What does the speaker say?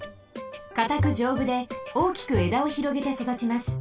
かたくじょうぶで大きくえだをひろげてそだちます。